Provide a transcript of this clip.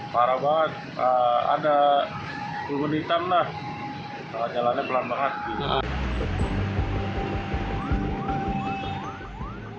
parah banget ada puluh menitan lah jalannya pelan pelan